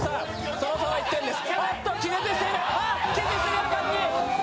その差は１点です。